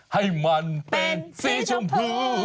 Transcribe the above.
ให้มันเป็นสีชมพู